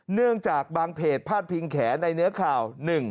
เนื่องจากบางเพจพาดพิงแขนในเนื้อข่าว